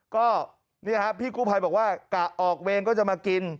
ก็นี่นะครับพี่กุภัยบอกว่าออกเวงก็จะมากิน